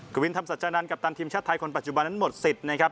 วินธรรมสัจจานันกัปตันทีมชาติไทยคนปัจจุบันนั้นหมดสิทธิ์นะครับ